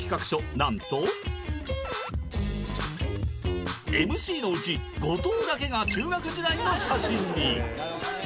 なんとＭＣのうち後藤だけが中学時代の写真に！